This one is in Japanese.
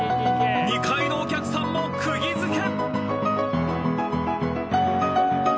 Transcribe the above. ２階のお客さんも釘付け。